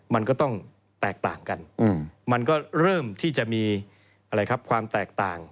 มันก็ต้องแตกต่างกันมันก็เริ่มที่จะมีอะไรครับความแตกต่าง